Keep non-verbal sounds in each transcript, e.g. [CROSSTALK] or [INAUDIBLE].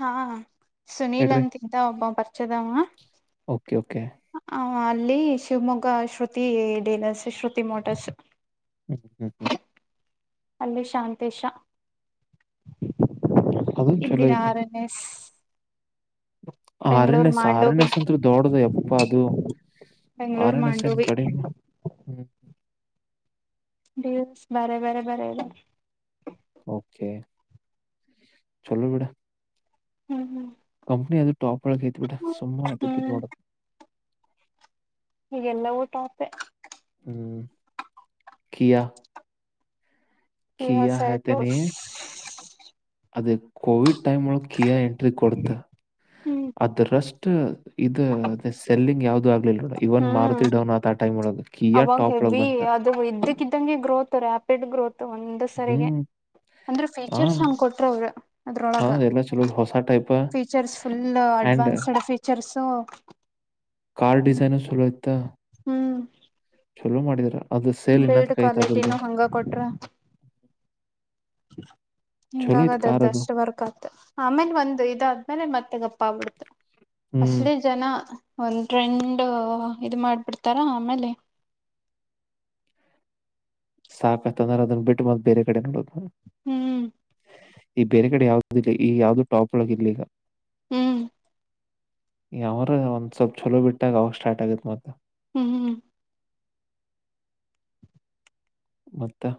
ಹಾ ಸುನೀಲ್ ಇಡ್ರಿ ಅಂತ ಇದಿದ್ದ ಒಬ್ಬ ಪರಿಚಯದ್ವಾ ಓಕೆ ಓಕೆ. ಆ ಅಲ್ಲಿ ಶಿವಮೊಗ್ಗ ಶ್ರುತಿ ಡೇಲರ್ಸ್ ಶ್ರುತಿ ಮೋಟರ್ಸ್ ಹ್ಮ್ ಹ ಹ ಅಲ್ಲಿ ಶಾಂತೇಶ ಅದು ಇಲ್ಲಿ ಚಲೋ ಐತಿ. ಆರ್ ಎನ್ ಎಸ್ ಆರ ಬೆಂಗಳೂರು ಎನ್ಎಸ್ ಆರ ಎನ್ ಮಾಂಡೋವಿ ಎಸ್ ಅಂತೂ ದೊಡದು ಎಪ್ಪ ಅದು ಬೆಂಗಳೂರು ಆರಣಸನ್ ಮಾಂಡೋವಿ ಕಡಿಮೆ ಹ್ಮ ದ ಬರ ಬರ ಬರ ಇಲ್ಲ ಒಕೆ ಚಲ್ಲು ಬಿಡೊ ಹ್ಮ್ ಹ್ಮ್ ಕಂನಿ ಅದು ಟಾಪ್ ಒಳಗ್ ಐತ್ ಬಿಡ ಸುಮ್ಮನೆ ಅದಕ್ಕಿದ್ ಹ್ಮ್ ಮಾಡಡದು ಹಗೆಲ್ಲವೂ ತಟಾಪೆ ಕಿಯ ಕಿಯ ಹ ಶರ್ಟು ತನೆ ಅದ ಕೋವಿಡ್ ಟೈಮ್ ಒಳ ಕಿಯಾ ಎಂಟ್ರಿ ಕೊಡತ ಹ್ಮ್ ಅದರಷ್ಟ ಇದು ಅ ಸೆಲ್ಲಿಂಗ್ ಯಾವ್ದದು ಆಗ್ಲಿಲ್ಲ ನೋಡ ಇವನ್ ಹ್ಮ್ ಮಾರುತಿ ಡೌನ್ ಆತ ಆ ಟೈಮ್ ಒಳಗ. ಕಿಯಾ ಅವಾಗ ಟಾಪ್ ಒಳಗ್ ಹೆವಿ ಬಂತ ಅದು ಇದಕ್ಕ ಇದಿದ್ದಂಗೆ ಗ್ರೋತ್ ರ್ಯಾಪಿಡ್ ಗ್ರೋತ್ ಒಂದ ಸರಿಗೆ ಹ್ಮ್ ಅಂದ್ರೆ ಹಾ ಫೀಚರ್ಸ್ ಹಂಗ ಕೊಟ್ರ ಅವರು ಹಾ ಅದ್ರೊಳಗ ಎಲ್ಲಾ ಚಲೋ ಹೊಸ type features full and advanced features car design ಸಲ್ಯ್ತಾ ಹ್ಮ್ ಚಲೋ ಮಾಡಿದರ ಅದು ಸೇಲ್ ಬಿಲ್ಡ್ ಇನ್ನತ್ ಕೈತ ಕ್ವಾಲಿಟಿನೂ ಅದ್ರದ್ದು ಹಂಗ ಕೊಟ್ರ ಐತ್ ಕಾರ್ ಹಿಂಗಾಗದರ್ದ ಅದು. ಅಷ್ಟ ವರ್ಕ್ ಆತ ಆಮೇಲೆ ಒಂದು ಇದಾದ್ಮೇಲೆ ಮತ್ತೆ ಗಪ್ಪ ಬಿಡ್ತು ಹ್ಮ್. ಅಷ್ಟಲಿ ಜನ ಒಂದು ಟ್ರೆಂಡ್ ಇ ಮಾಡ್ಬಿಡ್ತಾರಾ ಆಮೇಲೆ ಸಾಕತ್ ಅಂದ್ರೆ ಅದನ್ನ ಬಿಟ್ಟು ಮತ್ತ್ ಬೇರೆ ಕಡೆ ನೋಡೋದು ಹ್ಮ್ ಈ ಬೇರೆ ಕಡೆ ಯಾವ್ದ ಇಲ್ಲಿ ಈ ಯಾವ್ದು ಟಾಪ್ ಒಳಗ ಇಲ್ಲ ಈಗ ಹ್ಮ್ ಯರ ಒಂದ್ ಸ್ವಲ್ಪ್ ಚಲೋ ಬಿಟ್ಟಾಗ ಅವಾಗ ಸ್ಟಾರ್ಟ್ ಆಗತ್ ಮತ್ತೆ ಹ್ಮ್ ಹ್ಮ್ ಮತ್ತೆ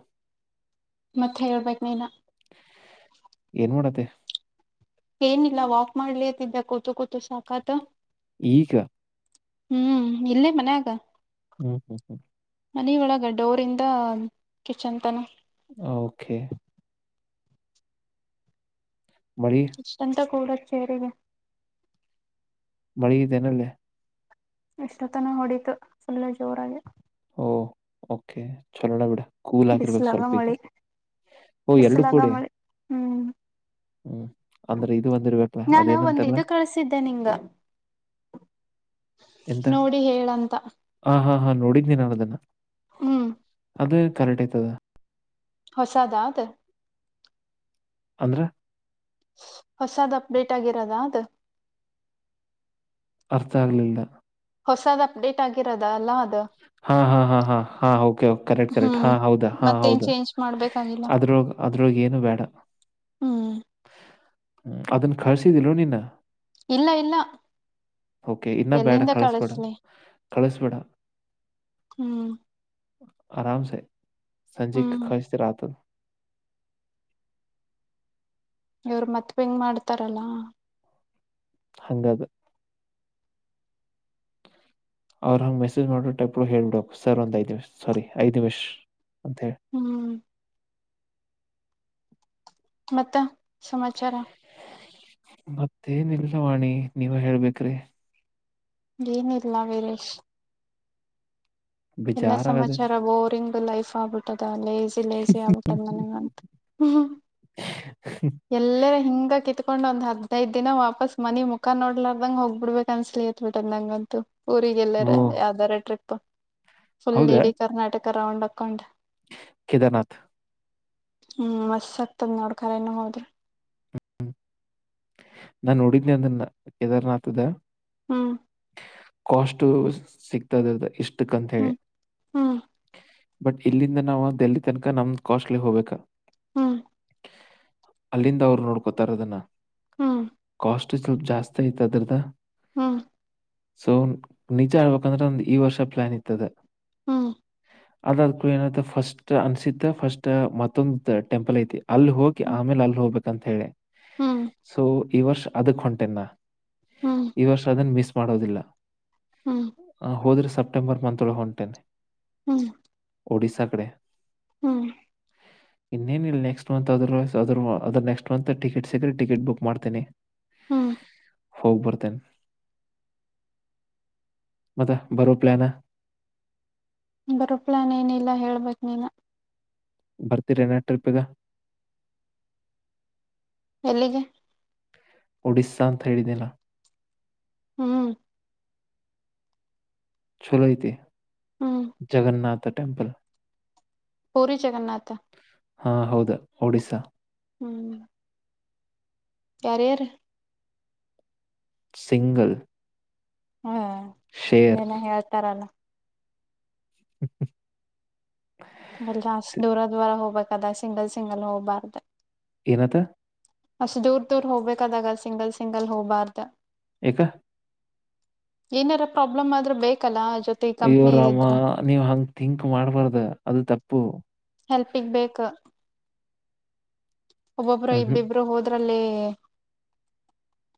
ಮತ್ತೆ ಹೇಳ್ಬೇಕ್ ನೀನ್ ಏನ್ ಮಾಡೋತ್ತೆ ಏನಿಲ್ಲ ವಾಕ್ ಮಾಡ್ಲತಿದ್ದ ಕೂತು ಕೂತು ಸಾಕತ್ ಈಗ ಹ್ಮ್ ಇಲ್ಲೇ ಮನ್ಯಾಗ ಹ್ಮ್ ಹ್ಮ್ ಹ್ಮ್ ಮನ ಒಳಗ ಡೋರಿಂದ ಕಿಚನ್ ತನ ಓಕೆ ಮಳಿ ಇಷ್ಟಂತ ಕೂಡ ಸೇಗೆ ಮಳೆಗಿದ್ದೇನಲ್ಲೇ ಎಷ್ಟೊತನ ಹೊಡಿತು ಸುಲ್ಲೆ ಜೋರಾಗಿ ಓ ಓಕೆ ಚಲೋಣ ಬಿಡ ಕೂಲ್ ಆಗಿರ್ಬೇಕ ಬಿಸ್ಲಾಗ ಸ್ವಲ್ಪ ಈಗ ಮಳಿ ಓ ಎರಡು ಬಿಸ್ಲಾಗ ಕೂಡೆ ಮಳಿ ಹ್ಮ್ ಹ್ಮ್ ಅಂದ್ರೆ ಇದು ಒಂದಿರ್ಬೇಕಲಾ ನಾನ ಒಂದ್ ಅದೇನಂತೆಲ್ಲ ಇದು ಕಳ್ಸಿದ್ದೆ ನಿಂಗ ಎಂತ ನೋಡಿ ಹೇಳಂತ ಹ ಹಾ ಹಾ ನೋಡಿದ್ ನೀನ್ಾನದನ್ನ ಹ್ಮ್ ಅದು ಕರೆಕ್ಟ್ ಆಯ್ತದ ಹೊಸದಾತ ಅಂದ್ರೆ ಹೊಸಾದ ಅಪ್ಡೇಟ್ ಆಗಿರದಾ ಅದ ಅರ್ಥ ಆಗ್ಲಿಲ್ಲ ಹೊಸದ್ ಅಪ್ಡೇಟ್ ಆಗಿರದ ಅಲ್ಲ ಅ ಹಾ ಹಾ ಹಾ ಹಾ ಹಾೆ ಕರೆಕ್ಟ್ ಕರೆಕ್ಟ್ ಹ್ಮ್ ಹಾ ಹೌದಾ ಹಾ ಮತ್ತೇನ್ ಹೌದಾ ಚೇಂಜ್ ಮಾಡ್ಬೇಕಾಗಿಲ್ಲ ಅದ್ರೊ ಅದ್ರಗೆ ಏನು ಬೇಡ ಹ್ಮ್ ಹ್ಮ ಅದನ್ನ ಕರ್ಸಿದಿಲ್ ನೀನ್ನ ಇಲ್ಲ ಇಲ್ಲ ಕೆ ಇನ್ನ ಬೇಡ ಎಲ್ಲಿಂದ ಕಳಸ್ಬೇಡ ಕಳಸ್ಲಿ ಕಳಸ್ಬೇಡ ಹ್ಮ್ ಆರಾಮ ಸ ಸಂಜೆ ಹ್ಮ್ ಕಚತಿ ರತ ಇವರು ಮತ್ತ ಹೆಂಗ್ ಮಾಡ್ತಾರಲ್ಲಾ ಹಂಗದು ಅವ್ರರು ಹಂಗೆ ಮೆಸೇಜ್ ಮಾಡಬಿು ಟಕ್ಪ್ು ಹೇಬಿಡಕ್ ಸರ್ ಒ್ ಐದು ನಿಮಿ್ ಸಾರಿ ಐದ್ ನಿಮಿ್ ಹ್ಮ್ ಮತ್ತೆ ಸಮಾಚಾರ ಮತ್ತೇನಿಲ್ಲ ವಾಣಿ ನೀವ ಹೇಳ್ಬೇಕ್ರಿ ಏನಿಲ್ಲ ವೀರೇಶ್ ಎಲ್ಲಾ ಬೇಜಾರಾಗತೈತಿ. ಸಮಾಚಾರ ಬೋರಿಂಗ್ ಲೈಫ್ ಆಗ್ಬಿಟ್ಟದ ಲೇಸಿ ಲೇಸಿ ಆಗ್ಬಿಟ್ಟದ ನನಗಂತ ಹ್ಮ್್ಮ ಓಹ್! ಎಲ್ಲರ ಹಿಂಗ ಕಿತ್ ತಕೊಂಡ್ ಒಂದ ಹದ್ೈದ ದಿನ ವಾಪಾಸ್ ಮನ ಮುಖ ನೋಡ್ಲಾರದಂಗಗೆ ಹೋಗ್ಬ ಬಿಡ್ಬೇಕು ಅನ್ಸಲಿಯತ್ ಬಿಟದ ನಂಗ ಅಂತೂ ಊರಿಗೆ ಎಲ್ಲಾರ ಯಾವ್ದಾರ ಟ್ರಿಪ್ ಫುಲ್ ಇಡಿ ಕರ್ನಾಟಕ ರೌಂಡ್ ಹಾಕೊಂಡೆ ಕದಾರನಾಥ ಹ್ಮ್ ಮಸ್ ಆಗ್ತದ ನೋಡ್ಖರ ಏನ ಹೋದ್ರಿ ನಾನ್ ನೋಡಿದನಿ ಅಂದನ್ನ ಕೇದಾರ್ನಾಥದ ಹ್ಮ್ ಕಾಸ್ು ಸಿಕ್ತದ ಇಷ್ಟಕ್ಕಂತ ಹೇಳಿ ಹ್ಮ್ ಹ್ಮ್ ಬಟ್ ಇಲ್ಲಿಂದ ನಾವವು ಲ್ಲಿ ತನಕ ನಮ್ದ್ ಕಾಸ್ಟ್ಲಿ ಹೋಗ್ಬೇಕಾ ಹ್ಮ್ ಅಲ್ಲಿಂದ ಅವ್ರು ನೋಡ್ಕೋತಾರದನ್ನ ಹ್ಮ್ ಅಷ್ಟು ಸ್ವಲ್ಪ ಜಾಸ್ತಿ ಆಯತ ಅದ್ರದ ಹ್ಮ ಸೊ ನಿಜ ಆಡ್ಬೇಕಂದ್ರೆ ಒಂದು ಈ ವರ್ಷ ಪ್ಲಾನ್ ಇತದೆ ಹ್ಮ್ ಅದಾದ್ ಕೂ ಏನ ಫಸ್ಟ್ ಅನ್ಸಿದ್ದ ಫಸ್ಟ್ ಮತ್ತೊಂದು ಟೆಂಪಲ್ ಐತಿ ಅಲ್ಲಿ ಹೋಗಕಿ ಹ್ಮ್ ಆಮೇಲೆ ಅಲ್ಲಿ ಹೋಗ್ಬೇಕಂತ ಹೇಳಿ ಹ್ಮ್ ಸೊ ಈ ವರ್ಷ ಅದಕ್ ಹೊಂಟೆನಾ ಈ ವರ್ಷ ಅದನ್ ಮಿಸ್ ಮಾಡೋದಿಲ್ಲ ಹ್ಮ್ ಹೋದ್ರೆ ಸೆಪ್ಟೆಂಬರ್ ಮತ್ೊಳ ಹೊಂಟೇನೆ ಹ್ಮ್ ಒಡಿಸಶಾ ಕಡೆ ಹ್ಮ್ ಇನ್ನೇನಿಲ್ಲ ನೆಕ್ಸ್ಟ್ ಮಂತ್ ಅದ್ರ ಅದ್ರ ಅದ್ರ ನೆಕ್ಸ್ಟ್ ಮಂತ್ ಟಿಕೆಟ್ ಸಿಗ್ರೆ ಟಿಕೆಟ್ ಬುಕ್ ಮಾಡ್ತೇನಿ ಹ್ಮ್ ಹೋಬ್ಬರ್ತನ್ ಮತ್ತ ಬರೋ ಪ್ಲಾನ ಬರೋ ಪ್ಲಾನ್ ಏನಿಲ್ಲ ಹೇಳ್ಬೇಕೇ ನೀನು ಬರ್ತಿರಣ ಟ್ರಿಪ್ಗ ಎಲ್ಲಿಗೆ ಡಿಸಾ ಅಂತಥ ಹೇಳಡಿ ದಲ್ಲ ಹ್ಮ್ ಚೋಲೋ ಇತೆ ಹ್ಮ್ ಜಗನ್ನಥ ೆಂಪಲ್ ಪೂರಿ ಜಗನ್ನಾಥ ಹಾ ಹೌದಾ ಒಡಿಸ್ಾ ಹ್ಮ್ ಯರ್ ಯಾರ ಸಿಂಗಲ್ ಹ್ಮ್ ಶೇರ್ ಏನ ಹೇಳ್ತಾರಲ್ಲ ಹ ಲ್ಲ ಅಷ್ಟ ದೂರ ದೂರ ಹೋಗ್ಬೇಕಕ್ ಅದ ಸಿಂಗಲ್ ಸಿಂಗಲ್ ಹೋಗ್ಬಾರ್ದ ಏನತ್ತ ಅಷ್ಟು ದೂರ್ ದೂರ್ ಹೋಗ್ಬೇಕಾದಾಗ ಸಿಂಗಲ್ ಸಿಂಗಲ್ ಹೋಗ್ಬಾರ್ದ ಎ ಏನಾರ ಪ್ರಾಬ್ಲಮ್ ಆದ್ರೆ ಬೇಕಲ್ಲ ಜೊತೆ ಕಂಪ್ನಿ ಅಯ್ಯೋರಾಮ ಇದ್ರ ನೀವ್ ಹಂಗ್ ಥಿಂಕ್ ಮಾಡ್ಬಾರ್ದ ಅದು ತಪ್ಪು ಹೆಲ್ಪಗ್ ಬೇಕು ಒಬ್ಬಬ್ಬರು ಹ್ಮ್ ಇಬ್ಬಬ್ರು ಹೋದ ಲ್ಲಿ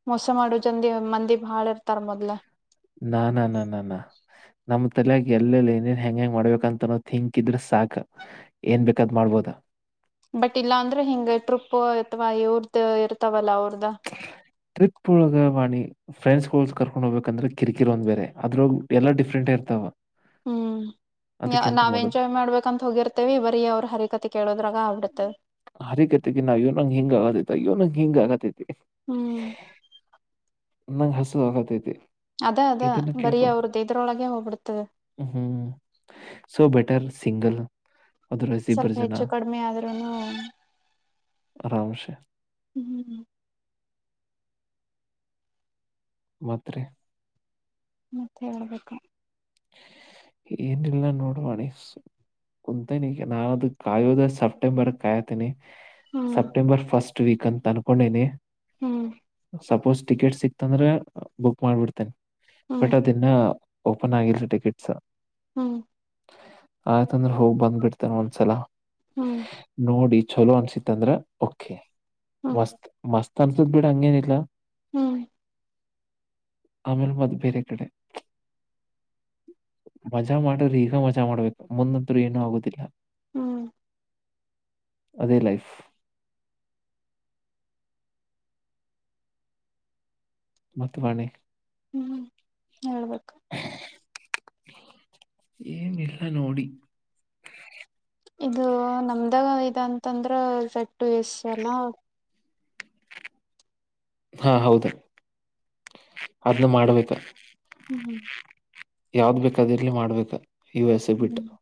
ಮೋಸ ಮಾಡುವ ಜಂದಿ ಮಂದಿ ಬಾಳ ಇ ನ ನ ನ ನಾ ನಮ್ಮ ಲ್ಯಾಗ ಎಲ್ಲೆಲ್ಲಿ ಏನೇನ್ ಹೆಂಗ ಹೆಂಗ್ ಮಾಡ್ಬೇಕಂತ ನೋ ಥಿಂಕ್ ಇದ್ರೆ ಸಾಕ ಏನ್ ಬೇಕಾದ್ ಮಾಡ್ಬೋದ ಬಟ್ ಇಲ್ಲಾ ಅಂದ್ರೆ ಹಿಂಗ ಟ್ರಿಪ್ ಅಥವಾ ಇವರ್ದ ಇರ್ತಾವಲ್ಲ ಅವರ್ದ ಟ್ರಿಪ್ ಒಳಗ ವಾಣಿ ಫ್ರೆಂಡ್ಸ್ಗಳಸ್ ಕರ್ಕೊಂಡ್ಗಬೇಕಂದ್ರೆ ಕಿರಿಕಿರ್ ಒಂದ ಬೇರೆ ಅದ್ರಳಗ್ ಎಲ್ಲ ಡಿಫ್ರೆಂಟ್ ಇರ್ತವ ಹ್ಮ್ ನಾವ್ ಎಂಜಾಯ್ ಮಾಡ್ಬೇಕಂತ ಹೋಗಿರ್ತೇವಿ ಬರೀ ಅವ್ರ ಹರಿಕತಿ ಕೇಳೋದ್ರಾಗ ಅವಡ ಹರಿಗತೆಗೆ ನಾ ಇವನಂಗ ಹಂಗ ಆಗತ್ತತ್ತ ಇವನಂಗ ಹಿಂಗ ಆಗತ್ತೈತ್ತ ಹ್ಮ್ ನಂಗ್ ಹಸು ಹಗತೈತಿ ಅದ ಅದ ಬರೀ ಅವ್ರದ್ದ ಇದದ್ರೊಳಗೆ ಹೋಗ್ಬಿಡ್ತದೆ ಹ್ಮ್ ಸೊ ಬೆಟರ್ ಸಿಂಗಲ್ ಅದ್ರ ಸ್ವಲ್ಪ ಇಬ್ಬರು ಜನ ಹೆಚ್ಚು ಕಡಿಮೆ ಆದ್ರರುನು ಆರಾಮಶ ಮಾತ್ ರಿ ಮತ್ತೆ ಹೇಳ್ಬೇಕು ಏನಲ್ಲನೋಡು ವಾಣಿ ಕುಂತನೆಿಗ ನಾನ ಅದು ಕಾಯೋದ ಸೆಪ್ಟೆಂಬರ್ ಕಾಯತೀನಿ ಹ್ಮ್ ಸೆಪ್ಟೆಂಬರ್ ಫಸ್ಟ್ ವೀಕ್ ಅಂತ ಅನ್ಕೊಂಡೇನಿ ಹ್ಮ್ ಸಪೋಸ್ ಟಿಕೆಟ್ ಸಿಕ್ತಂದ್ರೆ ಬುಕ್ ಮಾಡ್ಬಿಡ್ತೇನೆ ಹ್ಮ್ ಬಟ್ ಅದನ್ನ ನ್ ಆಗಿರ್ಸ ಟಿಕೆಟ್ಸ್ ಹ್ಮ್ ಆಯ್ತಂದ್ರೆ ಹೋಗಿ ಬಂದ್ಬಿಡ್ತೇನೆ ಒಂದ್ಸಲ ಹ್ಮ್ ನೋಡಿ ಚಲೋ ಅನ್ಸಿತ್ತ ಅಂದ್ರ ಕೆ ಹ್ಮ್ ಮಸ್ತ್ ಮಸ್ತ್ ಅನ್ಸದ್ ಬಿಡ ಹಂಗೇನಿಲ್ಲ ಹ್ಮ್ ಅಮೇಲ್ ಮತ್ತೆ ಬೇರೆ ಕಡೆ ಮಜಾ ಮಾಡ್ರಿ ಈಗ ಮಜಾ ಮಾಡಬೇಕ ಮುನ್ನಾದೂ ಏನೂ ಹ್ಮ್ ಆಗುವುದಿಲ್ಲ ಹ್ಮ್ ಅದೇ ಲೈಫ್ ಮತ್ತ ವಾಣಿ ಹ್ಮ್ ಹೇಳ್ಬೇಕು ಏನಿಲ್ಲ ನೋಡಿ ಇ ಅಂತಂದ್ರ ಸೆಟ್ಟು ಎಸ್ ಅಲ್ಲ ಹಾ ಹೌದ ಅದ್ನ್ನು ಮಾಡ್ಬೇಕ ಹ್ಮ್ ಹ್ಮ್ ಯಾವ್ದ್ ಬೇಕದಿರ್ಲಿ ಮಾಡ್ಬೇಕ ಯು ಎಸ್ ಎ ಬಿಟ್ಟ ಹ್ಮ್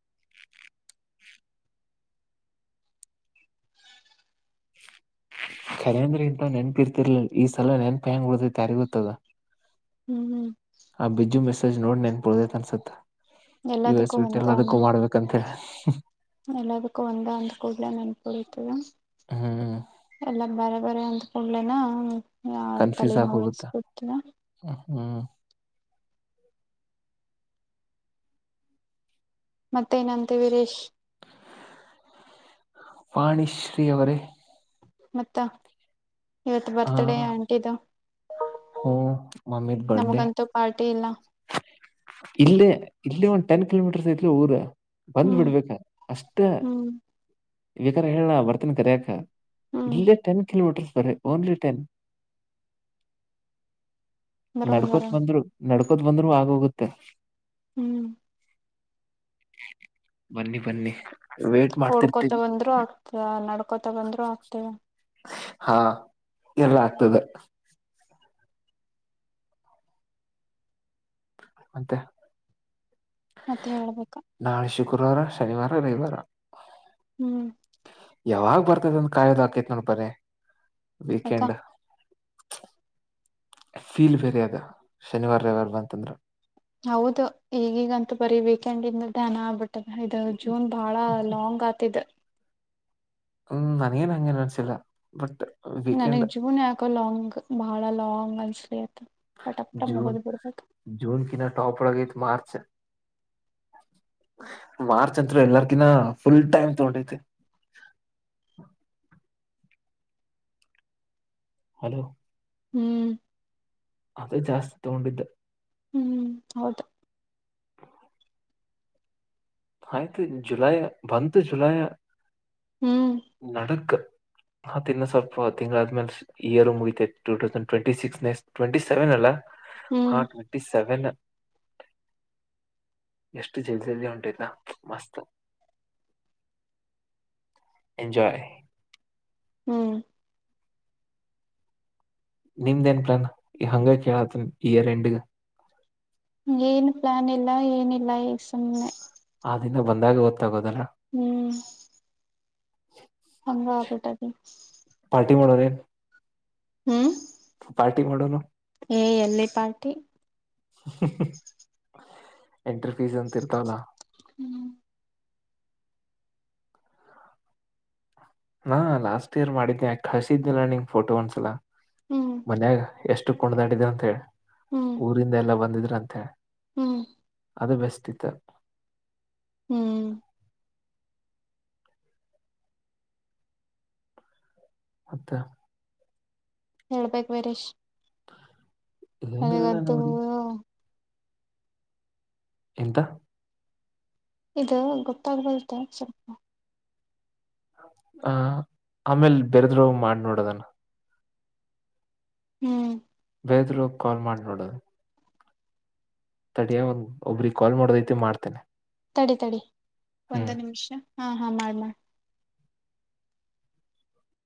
ಖ ಅಂದ್ರೆ ಇಂತ ನೆನಪಿರ್ತಿರ್ಲಿಲ್ಲ ಈ ಸಲ ನೆನಪಿ ಹೆಂಗ ಬಿಡತೈತಿ ಎರಿ ಗೊತ್ತದ ಹ್ಮ್ ಹ್ಮ್ ಆ ಬಿಜ್ಜು ನೋಡ್ ಬೆನ್ಪುಲ್ಡೊಯ್ತು ಅನ್ಸುತ್ತ ಯು ಎಸ್ ಎಲ್ಲದಕ್ಕೂ ಬಿಟ್ ಒಂದ ಅಲ್ಲ ಎಲ್ಲದಕ್ಕೂ ಮಾಡ್ಬೇಕ ಅಂತ ಹೇಳಿ ಎಲ್ಲದಕ್ಕೂ ಒಂದ ಅಂದ್ ಕೂಡ್ಲೆ ನೆನ್ಪುಡತದ ಹ್ಮ್ ಎಲ್ಲ ಬರ ಬರ ಅಂತ ಕೊಡಲನಾ ಕನ್ಫ್ಯೂಸ್ ಆಗ ಹೋಗುತ್ತಾ ಹ್ಮ್ ಮತ್ತೇನಂತೆ ವೀರೇಶ್ ವಾಣಿಶ್ರೀವರೇ ಮತ್ತ ಇವತ್ತು ಹ ಬರ್ತ್ಡೇ ಆಂಟಿದು ಹ್ಮ ಮಮ್ಮಿ ಬರ್ಡೆ ನಮಗಂತೂ ಪಾರ್ಟಿ ಇಲ್ಲ ಇಲ್ಲ ಇಲ್ಲಿ ಒಂದ್ ಟೆನ್ ಕಿಲೋಮೀಟರ್ಸ್ ಐ ಊರ ಬಂದ್ ಹ್ಮ್ ಬಿಡ್ಬೇಕ ಅಷ್ಟೇ ಹ್ಮ್ ವಿಕಾರ ಹೇಳಣ ಬರ್ತನ ಕರ್ಯಾಕ ಹ್ಮ್ ಇಲ್ಲೇ ಟೆನ್ ಕಿಲೋಮೀಟರ್ ಸ ಓನ್ಲಿ ಟೆನ್ ಬರೋಣ ನಡ್ಕೋತ್ ಬರೋಣ ಬಂದ್ರು ನಡ್ಕೋತ್ ಬಂದ್ರು ಆಗೋಗುತ್ತೆ ಹ್ಮ್ ಬನ್ನಿ ಬನ್ನಿ ವೇಟ್ ಹೊಓಡ್ಕೊತ ಮಾಡ್ತಿರ್ತೀವಿ ಬಂದ್ರರು ಆಗ್ತ ನಡ್ಕೊತ ಬಂದ್ರು ಆಗ್ತವ ಹಾ ಎಲ್ಲ ಆಗ್ತದೆ ಮಂತೆ ಮತ್ತೆ ಹೇಳ್ಬೇಕ ನಾಳೆ ಶುಕ್ರವಾರ ಶನಿವಾರ ರವಿವಾರ ಹ್ಮ್ ಯಾವಾಗ ಬರ್ತದಂತ ಕಾಯೋದು ಹಾಕೇತ್ ನೋಡ್ಪರಿ ಯಾಕ ವೀಕೆಂಡ್ ಫೀಲ್ ವೆರಿ ಅದ ಶನಿವಾರ ರವಾರ ಬಂತಂದ್ರ ಹೌದು ಈಗೀಗಂತೂ ಬರಿಬೇಕೇಕಂಡಂದು ನ ಆಗ್ಬಿಟ್ಟು ಇ ಜೂನ್ ಬಾಳ ಲಾಂಗ್ ಆತಿದ ಹ್ಮ್ ನನಗೇನ್ ಹಂಗೇನ್ ಅನಸಿಲ್ಲ ಬಟ್ ನಾನ ವೀಕೆಂಡ್ ಜೀವನ ಯಕ ಲಂಗ್ ಭಾಳಾ ಲಂಗ್ ಆಸಲಿ ಜನ್ ಜುನ್ ಕಿನ ಟಪರಗೀತ ಮಾರ್ಚ್ ಮಾರ್ಚ್ ಅಂತರು ಎಲ್ಲಾರ್ಕನ್ನ ಫುಲ್ ಟೈಮ್ ತಗೊಂಡೈತೆ [UNINTELLIGIBLE] ಹಲೋ ಹ್ಮ್ ಅದೇ ಜಾಸ್ತಿ ತಗೊಂಡಿದ್ದೆ ಹ್ಮ್ ಹೌದು [INAUDIBLE] ಆಯ್ತು ಜುಲೈ ಬಂದು ಜುಲೈ ಹ್ಮ್ ನಕ್ ಹ ತಿನ್ನ ಸ್ವಲ್ಪ ತಿಂಗಳ ಆದ್ಮೇಲೆ ಇಯರ್ ಮುಗಿತೈ ಟೂ ತೌಸ್ ಟ್ವೆಂಟಿ ಸಿಕ್ಸ್ ನ ಟ್ವೆಂಟಿ ಸೆವೆನ್ ಅಲ್ಲಾ ಆ ಹ್ಮ್ ಟ್ವೆಂಟಿ ಸೆವೆನ್ ಎಷ್ಟು ಜಲ್ ಜಲ್ದ ಹೊಂಟೈ ಹ ಮಸ್ತ ಎಂಜಾಯ್ ಹ್ಮ್ ನಿಮ್ದ ಏನ್ ಪ್ಲಾನ್ ಹಂಗ ಕೇಳತ್ನ್ ಇಯರ್ ಎಂಡಗ ಏನ್ ಪ್ಲಾನ್ ಇಲ್ಲ ಏನಿಲ್ಲ ಈ ಸುಮ್ಮ್ ಆ ದಿನ ಬಂದಾಗ ಗೊತ್ತಾಗೋತ್ತೆ ಹ್ಮ್ ಹಂಗ ಆಬಟಾದ ಮಾಡೋದ [UNINTELLIGIBLE] ಹ್ಮ್ ಪಾರ್ಟಿ ಮಾಡೋನು ಏ ಎಲ್ಲಿ ಪಾರ್ಟಿ ಎಂಟ್ರಿ ಫೀಸ್ ಅಂತ ಇರ್ತಾವಲ್ಲಾ ಹ್ಮ್ ಹಾ ಲಾಸ್ಟ್ ಇಯರ್ ಮಾಡಿದ್ದೆ ಯಕ ಹಸಿದ್ದಿಲ್ಲ ನಿಂಗ ಫೋಟೋ ಒಂದ್ಸಲ ಹ್ಮ್ ಮನ್ಯಾಗ ಎಷ್ಟು ಕುಣದಾಡಿದ್ರ ಅಂತ ಹೇಳಿ ಹ್ಮ್ ಊರಿಂದ ಎಲ್ಲಾ ಬಂದಿದ್ರ ಅಂತ ಹೇಳಿ ಹ್ಮ್ ಅದು ಬೆೆಸ್ಟ್ ಇತ್ತು ಹ್ಮ್ ಮತ್ತೆ ಹೇಳ್ಬೇಕೇು ಬರೇಶ್ ಏನಿಲ್ಲ ನನಗಂತೂ ನೋಡಿ ಎಂತ ಇದು ಗೊತ್ತಾಗಬರುತ್ತೆ ಸ್ವಲ್ಪ ಆ ಆಮೇಲ್ ಬೇರೆದ್ರ ಮಾಡ ನೋಡದಾನ ಹ್ಮ್ ಬೇದರು ಕಾಲ್ ಮಾಡಿ ನೋಡು ತಡಿಯ ಒಂದ ಒಬ್ರಿಗೆ ಕಾಲ್ ಮಾಡೋದೈತಿ ಮಾಡ್ತೇನೆ ತಡಿ ತಡಿ ಹ್ಮ್ ಒಂದು ನಿಮಿಷ ಹಾ ಹಾ ಮಾಡ ಮಾಡ